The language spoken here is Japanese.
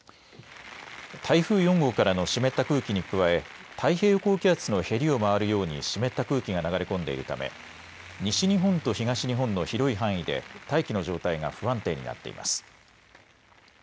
台風４号からの湿った空気に加え太平洋高気圧のへりを回るように湿った空気が流れ込んでいるため西日本と東日本の広い範囲で大気の状態が不安定になっています。